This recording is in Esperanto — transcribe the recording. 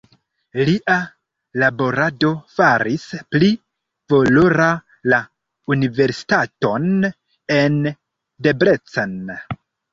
Lia laborado faris pli valora la universitaton en Debrecen.